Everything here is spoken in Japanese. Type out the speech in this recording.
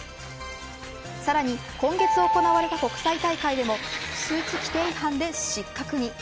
さらに今月行われた国際大会でもスーツ規定違反で失格に。